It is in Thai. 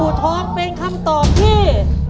วัดอูทองเป็นคำตอบที่